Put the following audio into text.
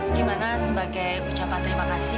dimana sebagai ucapan terima kasih